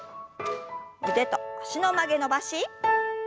腕と脚の曲げ伸ばし。